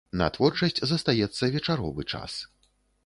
На творчасць застаецца вечаровы час.